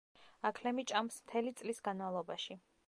აქლემი ჭამს მთელი წლის განმავლობაში.